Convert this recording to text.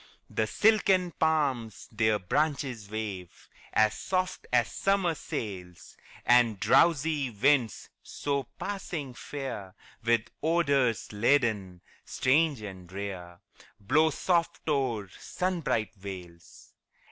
The silken palms their branches wave As soft as summer sails; And drowsy winds, so passing fair, With odors laden, strange and rare, Blow soft o'er sunbright vales.